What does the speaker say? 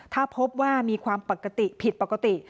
ถ้าพบว่ามีความปกติผิดปกติ